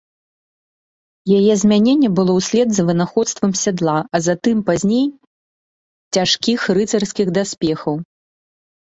Яе змяненне было услед за вынаходствам сядла, а затым, пазней, цяжкіх рыцарскіх даспехаў.